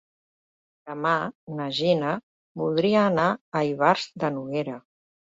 Demà na Gina voldria anar a Ivars de Noguera.